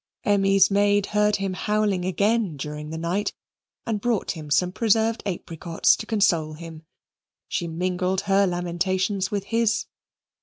Emmy's maid heard him howling again during the night and brought him some preserved apricots to console him. She mingled her lamentations with his.